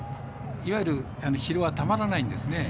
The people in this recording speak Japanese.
いわゆる疲労はたまらないんですね。